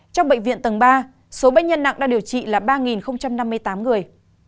trong bệnh viện tầng ba số bệnh nhân nặng đang điều trị là ba năm mươi tám người